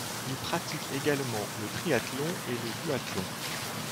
Il pratique également le triathlon et le duathlon.